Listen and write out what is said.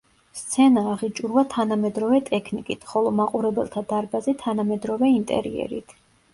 სცენა აღიჭურვა თანამედროვე ტექნიკით, ხოლო მაყურებელთა დარბაზი თანამედროვე ინტერიერით.